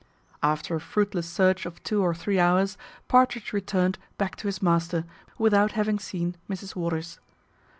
After a fruitless search of two or three hours, Partridge returned back to his master, without having seen Mrs Waters.